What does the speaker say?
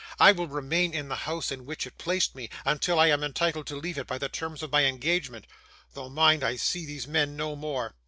I will remain in the house in which it placed me, until I am entitled to leave it by the terms of my engagement; though, mind, I see these men no more.